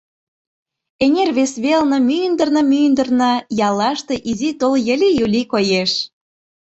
Эҥер вес велне, мӱндырнӧ-мӱндырнӧ, яллаште изи тул йыли-юли коеш.